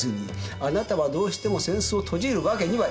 あなたはどうしても扇子を閉じるわけにはいかなかった。